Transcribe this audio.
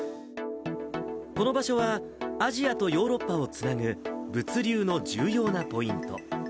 この場所は、アジアとヨーロッパをつなぐ物流の重要なポイント。